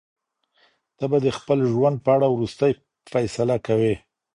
ته به د خپل ژوند په اړه وروستۍ فیصله کوې.